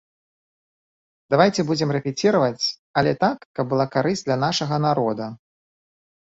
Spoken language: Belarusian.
Давайце будзем рэпеціраваць, але так, каб была карысць для нашага народа.